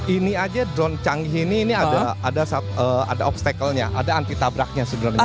ini aja drone canggih ini ini ada obstacle nya ada anti tabraknya sebenarnya